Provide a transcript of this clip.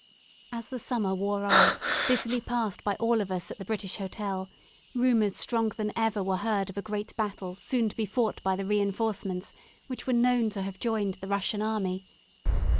As the summer wore on, busily passed by all of us at the British Hotel, rumours stronger than ever were heard of a great battle soon to be fought by the reinforcements which were known to have joined the Russian army.